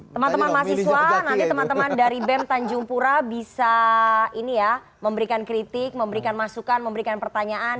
teman teman mahasiswa nanti teman teman dari bem tanjung pura bisa ini ya memberikan kritik memberikan masukan memberikan pertanyaan